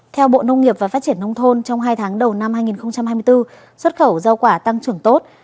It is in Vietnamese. theo bộ nông nghiệp và phát triển nông thôn trong hai tháng đầu năm hai nghìn hai mươi bốn xuất khẩu rau quả tăng trưởng tốt